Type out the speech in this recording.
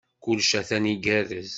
Kullec atan igerrez.